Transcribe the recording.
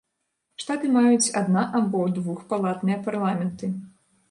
Штаты маюць адна- або двухпалатныя парламенты.